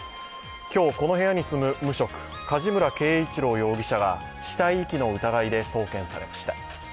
今日、この部屋に住む無職梶村圭一郎容疑者が死体遺棄の疑いで送検されました。